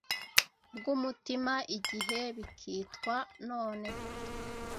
bw'umutima, igihe bikitwa none